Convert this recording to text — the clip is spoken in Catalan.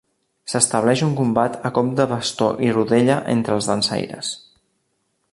S'estableix un combat a cop de bastó i rodella entre els dansaires.